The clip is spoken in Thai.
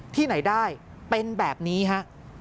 ที่ไหนได้เป็นแบบนี้ฮะ